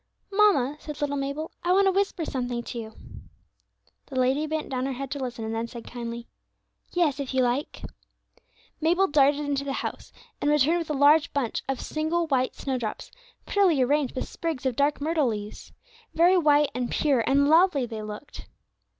"Mamma," said little Mabel, "I want to whisper something to you." The lady bent down her head to listen, and then said kindly, "Yes, if you like." Mabel darted into the house, and returned with a large bunch of single white snowdrops, prettily arranged with sprigs of dark myrtle leaves. Very white, and pure, and lovely they looked.